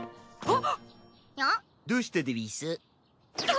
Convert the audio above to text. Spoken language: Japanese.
あっ！